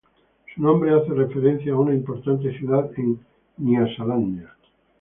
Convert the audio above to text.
Su nombre hace referencia a una importante ciudad en Nyasalandia.